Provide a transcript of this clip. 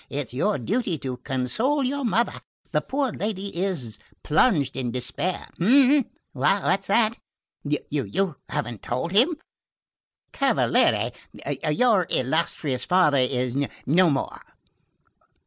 It's your duty to console your mother the poor lady is plunged in despair. Eh? What's that? You haven't told him? Cavaliere, your illustrious father is no more."